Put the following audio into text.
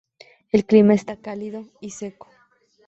El clima es cálido y seco.